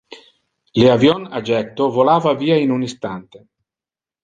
Le avion a jecto volava via in un instante.